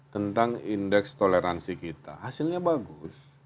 tentang indeks toleransi kita hasilnya bagus